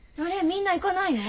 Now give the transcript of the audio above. みんな行かないの？